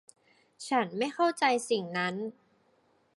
ฉันไม่เข้าใจสิ่งนั้น